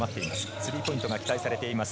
スリーポイントが期待されています。